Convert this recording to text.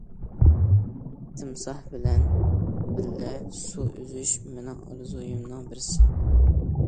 تىمساھ بىلەن بىللە سۇ ئۈزۈش مېنىڭ ئارزۇيۇمنىڭ بىرى.